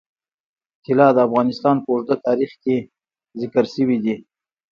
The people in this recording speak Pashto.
طلا د افغانستان په اوږده تاریخ کې ذکر شوی دی.